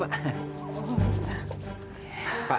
aku merasa lagi